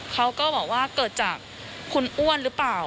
เขาก็บอกว่าเกิดจากคุณอ้วนหรือเปล่า